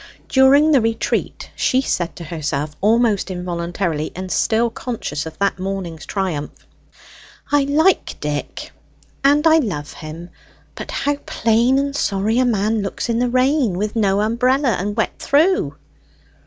During the retreat she said to herself, almost involuntarily, and still conscious of that morning's triumph "I like Dick, and I love him; but how plain and sorry a man looks in the rain, with no umbrella, and wet through!"